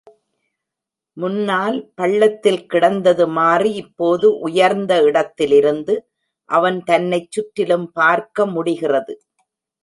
முன்னால் பள்ளத்தில் கிடந்தது மாறி, இப்போது உயர்ந்த இடத்திலிருந்து அவன் தன்னைச் சுற்றிலும் பார்க்க முடிகிறது.